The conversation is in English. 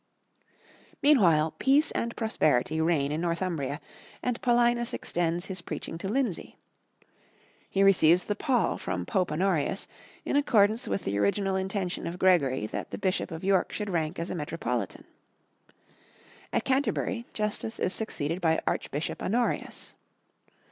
Meanwhile, peace and prosperity reign in Northumbria, and Paulinus extends his preaching to Lindsey. He re receives the pall from Pope Honorius, in accordance with the original intention of Gregory that the Bishop of York should rank as a metropolitan. At Canterbury, Justus is succeeded by Archbishop Honorius.